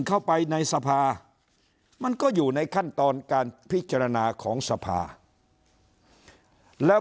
เข้าไปในสภามันก็อยู่ในขั้นตอนการพิจารณาของสภาแล้ว